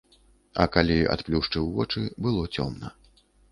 А калі адплюшчыў вочы, было цёмна.